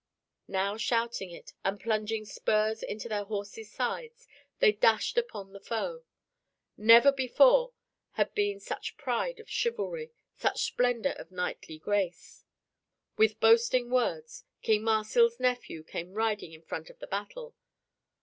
Now shouting it, and plunging spurs into their horses' sides, they dashed upon the foe. Never before had been such pride of chivalry, such splendor of knightly grace. With boasting words, King Marsil's nephew came riding in front of the battle.